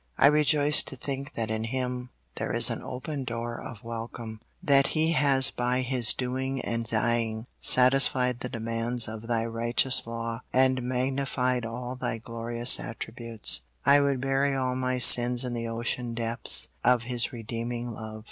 I rejoice to think that in Him there is an open door of welcome; that He has by His doing and dying satisfied the demands of Thy righteous law, and magnified all Thy glorious attributes. I would bury all my sins in the ocean depths of His redeeming love.